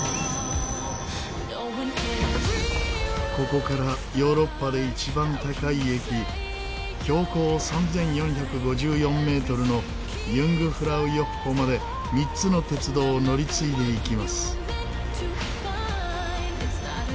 ここからヨーロッパで一番高い駅標高３４５４メートルのユングフラウヨッホまで３つの鉄道を乗り継いでいきます。